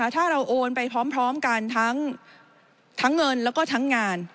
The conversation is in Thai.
ถ้าเราโอนไปพร้อมกันทั้งเงินแล้วก็ทั้งงาน